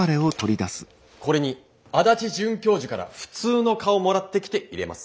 これに足立准教授から普通の蚊をもらってきて入れます。